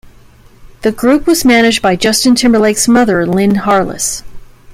The group was managed by Justin Timberlake's mother, Lynn Harless.